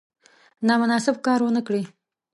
نامناسب کار ونه کړي.